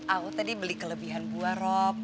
aku tadi beli kelebihan buah rob